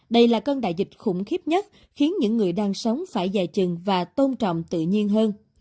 đây là cơn đại dịch khủng khiếp nhất khiến những người đang sống phải dài chừng và tôn trọng tự nhiên hơn